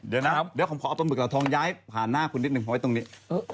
เดี๋ยวนะเดี๋ยวผมขออัตโมกล่าทองย้ายผ่านหน้าคุณนิดหนึ่งโค้ยตรงนี้